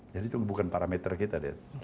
jadi itu bukan parameter kita